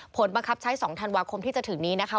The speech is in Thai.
ผลบังคับใช้๒ธันวาคมที่จะถึงนี้นะคะ